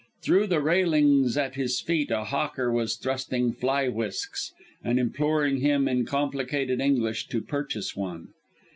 Through the railings at his feet a hawker was thrusting fly whisks, and imploring him in complicated English to purchase one.